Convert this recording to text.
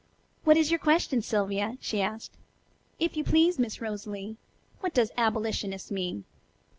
"What is your question, Sylvia?" she asked. "If you please, Miss Rosalie, what does 'abolitionist' mean?"